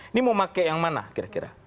ini mau pakai yang mana kira kira